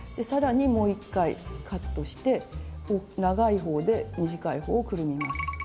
さらにもう一回カットして長い方で短い方をくるみます。